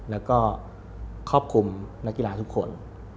แล้วก็ครอบคลุมนักกีฬาทุกคน